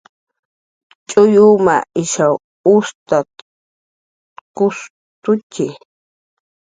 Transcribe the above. Tx'uy umaq ishaw ustataykushtutxi